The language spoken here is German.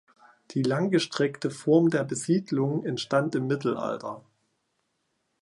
Die langgestreckte Form der Besiedlung entstand im Mittelalter.